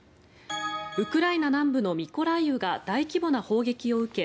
ウクライナ南部のミコライウが大規模な砲撃を受け